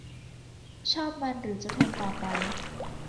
ชอบมันหรือจะทนต่อไป